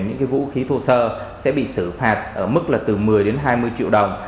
những vũ khí thu sơ sẽ bị xử phạt ở mức từ một mươi hai mươi triệu đồng